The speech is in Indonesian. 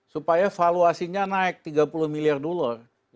supaya valuasinya naik tiga puluh miliar dolar